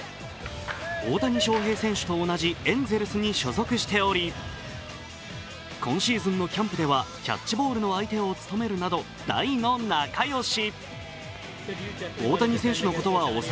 大谷翔平選手と同じエンゼルスに所属しており今シーズンのキャンプではキャッチボールの相手を務めるなど大の仲良し。